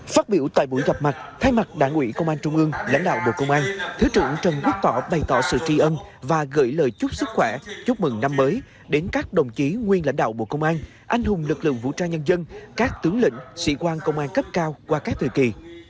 phát biểu tại buổi gặp mặt thay mặt đảng ủy công an trung ương lãnh đạo bộ công an thứ trưởng trần quốc tỏ bày tỏ sự tri ân và gửi lời chúc sức khỏe chúc mừng năm mới đến các đồng chí nguyên lãnh đạo bộ công an anh hùng lực lượng vũ trang nhân dân các tướng lĩnh sĩ quan công an cấp cao qua các thời kỳ